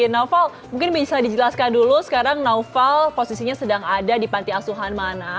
naufal mungkin bisa dijelaskan dulu sekarang naufal posisinya sedang ada di panti asuhan mana